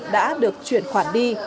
đã được chuyển khoản đi